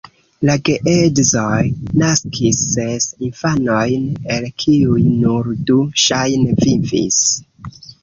La geedzoj naskis ses infanojn, el kiuj nur du ŝajne vivis.